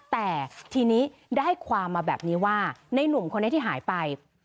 แต่ทีนี้ได้ความมาแบบนี้ว่าในหนุ่มคนนี้ที่หายไป